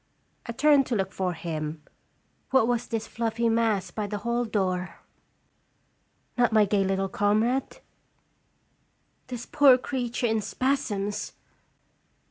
I turned to look for him. What was this fluffy mass by the hall door ? Not my gay little comrade ? This poor creature in spasms